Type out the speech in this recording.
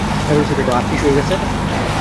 অন্যায় তবেই হবে, যদি সত্যকে গোপন করতে যায়।